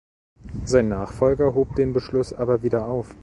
Sein Nachfolger hob den Beschluss aber wieder auf.